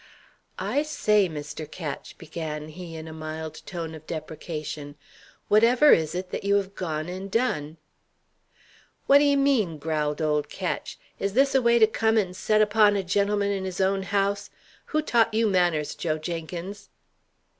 "I say, Mr. Ketch," began he in a mild tone of deprecation, "whatever is it that you have gone and done?" "What d'ye mean?" growled old Ketch. "Is this a way to come and set upon a gentleman in his own house? Who taught you manners, Joe Jenkins?"